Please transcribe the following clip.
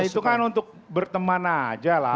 itu kan untuk berteman aja lah